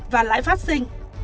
và lãi phát sinh